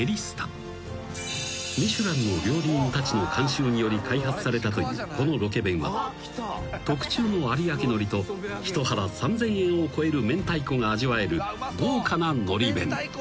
［ミシュランの料理人たちの監修により開発されたというこのロケ弁は特注の有明のりとひと腹３，０００円を超えるめんたいこが味わえる豪華なのり弁］